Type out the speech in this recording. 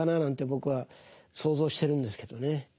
僕は想像してるんですけどね。